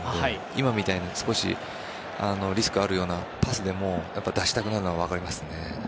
今みたいに少しリスクあるようなパスでも、出したくなるのは分かりますね。